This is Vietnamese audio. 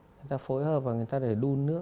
người ta phối hợp và người ta để đun nước